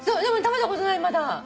食べたことないまだ。